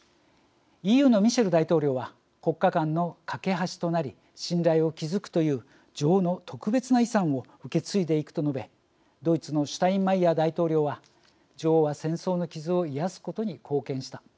ＥＵのミシェル大統領は「国家間の懸け橋となり信頼を築くという女王の特別な遺産を受け継いでいく」と述べ、ドイツのシュタインマイヤー大統領は「女王は戦争の傷を癒やすことに貢献した。